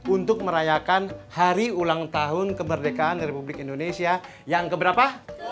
untuk merayakan hari ulang tahun kemerdekaan republik indonesia yang keberapa